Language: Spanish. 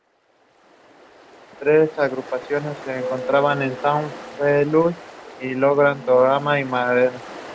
Llegó a profesor honorario de botánica.